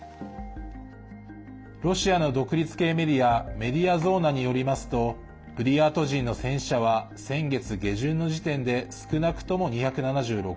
ロシアの独立系メディアメディア・ゾーナによりますとブリヤート人の戦死者は先月下旬の時点で少なくとも２７６人。